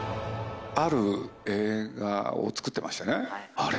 ある映画を作ってましてね、あれ？